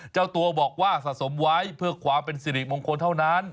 เจ้าตัวบอกว่าสะสมไว้เพื่อความเป็นสิริมงคลเท่านั้น